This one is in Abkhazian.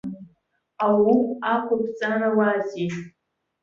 Ауӷә ақәбҵарауазеи.